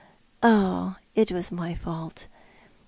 "Ob, it was my fault.